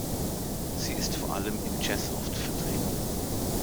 Sie ist vor allem im Jazz oft vertreten.